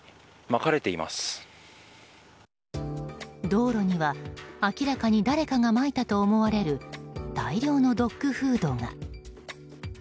道路には明らかに誰かがまいたと思われる大量のドッグフードが。